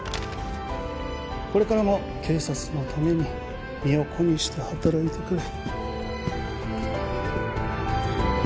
これからも警察のために身を粉にして働いてくれ。